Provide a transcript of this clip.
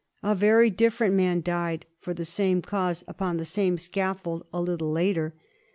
A very different man died for the same cause upon the same scaffold a little later.